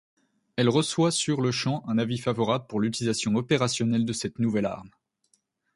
Elle reçoit sur-le-champ un avis favorable pour l'utilisation opérationnelle de cette nouvelle arme.